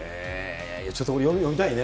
ちょっとこれ、読みたいね。